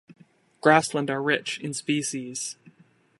Grassland are rich in species.